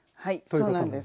そうなんです。